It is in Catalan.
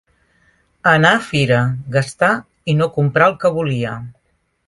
Anar a fira, gastar i no comprar el que volia.